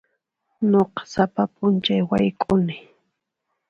Nuqa sapa p'unchay wayk'uni.